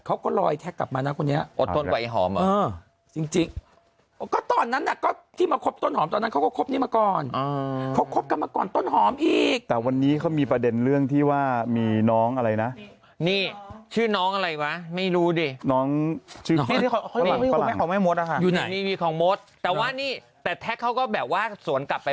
บอกว่าเดี๋ยวก็เลิกกันอ่ะไม่ว่าไม่ว่าเท็จพระอันยุกตาว่า